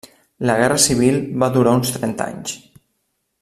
La guerra civil va durar uns trenta anys.